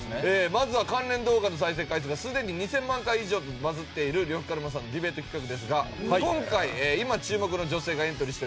まずは関連動画の再生回数がすでに２０００万回以上とバズっている呂布カルマさんのディベート企画ですが今回今注目の女性がエントリーしております。